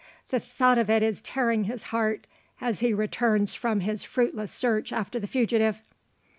The thought of it is tearing his heart, as he returns from his fruitless search after the fugitive.